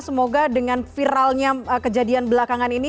semoga dengan viralnya kejadian belakangan ini